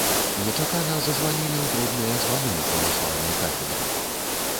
Нечакана зазванілі ў дробныя званы ў праваслаўнай кафедры.